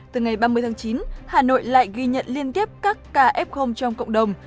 từ ngày ba mươi tháng chín hà nội lại ghi nhận liên tiếp các ca f trong cộng đồng